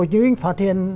chúng ta phát hiện